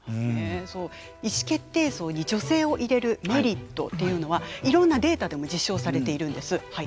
意思決定層に女性を入れるメリットっていうのはいろんなデータでも実証されているんです。